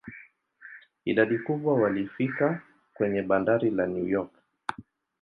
Idadi kubwa walifika kwenye bandari la New York.